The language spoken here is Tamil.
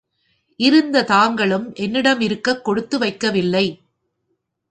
இருந்த தாங்களும் என்னிடமிருக்கக் கொடுத்து வைக்கவில்லை.